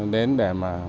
đến để mà